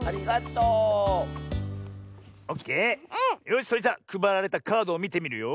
よしそれじゃくばられたカードをみてみるよ。